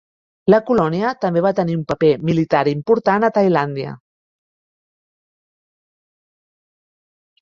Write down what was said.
La colònia també va tenir un paper militar important a Tailàndia.